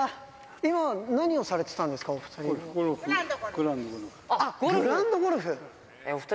今、何をされてたんですか、お２人。